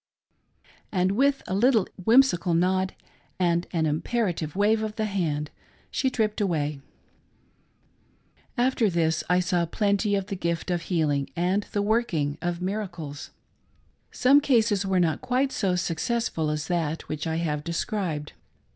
And with a little whimsical nod and an iniperative wave of the hand, she tripped away. After this I saw plenty of the gift of healing and the working of miracles. Some cases were not quite so success ful as that which I have described.